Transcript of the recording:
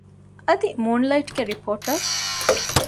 އަދި މޫންލައިޓްގެ ރިޕޯޓަރު